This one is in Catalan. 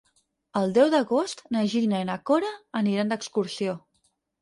El deu d'agost na Gina i na Cora aniran d'excursió.